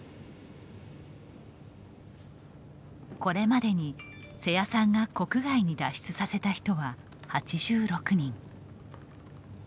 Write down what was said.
これまでに、瀬谷さんが国外に脱出させた人は８６人。